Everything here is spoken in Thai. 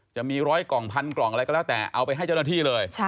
จะมี๑๐๐กล่องพันกล่องอะไรก็แล้วแต่เอาไปให้เจ้าหน้าที่เลย